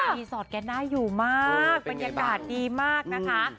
รีสอร์ทแกได้อยู่มากบรรยากาศดีมากนะคะ